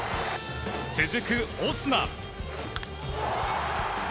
続くオスナ。